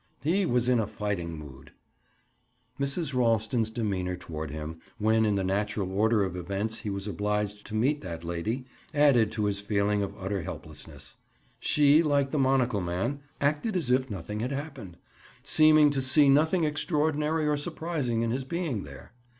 He was in a fighting mood. Mrs. Ralston's demeanor toward him—when in the natural order of events he was obliged to meet that lady—added to his feeling of utter helplessness. She, like the monocle man, acted as if nothing had happened, seeming to see nothing extraordinary or surprising in his being there.